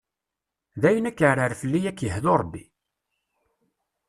Dayen akeɛrer fell-i ad k-yehdu ṛebbi!